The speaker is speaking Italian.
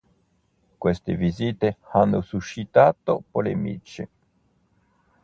Queste visite hanno suscitato polemiche.